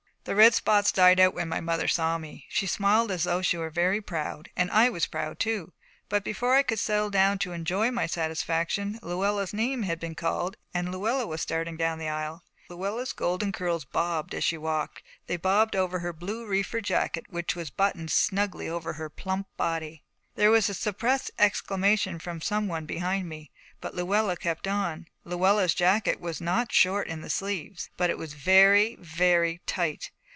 The red spots died out when my mother saw me. She smiled as though she were very proud and I was proud too. But before I could settle down to enjoy my satisfaction, Luella's name had been called and Luella was starting down the aisle. Luella's golden curls bobbed as she walked: they bobbed over her blue reefer jacket which was buttoned snugly over her plump body. There was a suppressed exclamation from some one behind me, but Luella kept on. Luella's jacket was not short in the sleeves, but it was very very tight.